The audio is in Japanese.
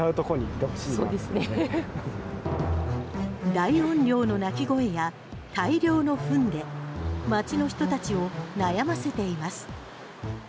大音量の鳴き声や大量のフンで街の人たちを悩ませています。